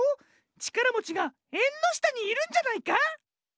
ちからもちがえんのしたにいるんじゃないか？